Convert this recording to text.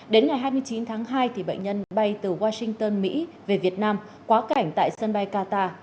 đến ngày hai mươi chín tháng hai bệnh nhân bay từ washington mỹ về việt nam quá cảnh tại sân bay qatar